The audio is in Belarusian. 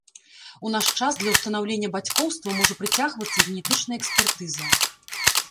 У наш час для ўстанаўлення бацькоўства можа прыцягвацца генетычная экспертыза.